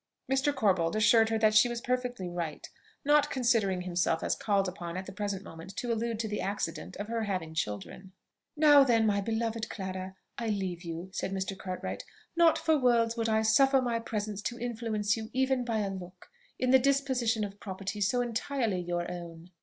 Mr. Corbold assured her that she was perfectly right, not considering himself as called upon at the present moment to allude to the accident of her having children. "Now then, my beloved Clara, I leave you," said Mr. Cartwright. "Not for worlds would I suffer my presence to influence you, even by a look, in the disposition of property so entirely your own!"